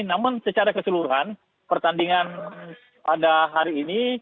namun secara keseluruhan pertandingan pada hari ini